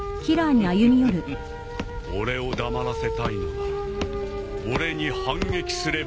フフフフ俺を黙らせたいのなら俺に反撃すればいい。